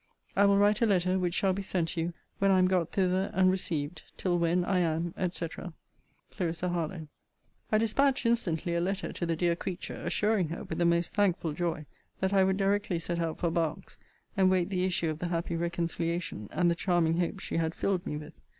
I will write a letter, which shall be sent you when I am got thither and received: till when, I am, &c. CLARISSA HARLOWE. I dispatched instantly a letter to the dear creature, assuring her, with the most thankful joy, 'That I would directly set out for Berks, and wait the issue of the happy reconciliation, and the charming hopes she had filled me with.